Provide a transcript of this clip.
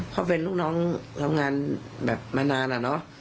เขาเป็นลูกน้องทำงานแบบมานานอะเนาะ